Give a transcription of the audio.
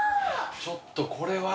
ちょっとこれは。